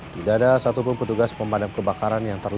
tidak ada satupun petugas pemadam kebakaran yang terjadi